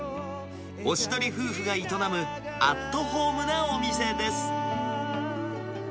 おしどり夫婦が営むアットホームなお店です。